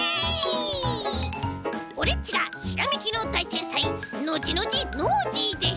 オレっちがひらめきのだいてんさいノジノジノージーです！